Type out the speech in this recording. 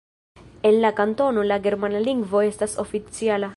En la kantono, la germana lingvo estas oficiala.